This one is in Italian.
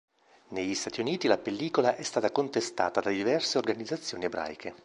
Negli Stati Uniti la pellicola è stata contestata da diverse organizzazioni ebraiche.